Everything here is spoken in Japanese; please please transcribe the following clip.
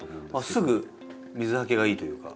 すぐ水はけがいいというか。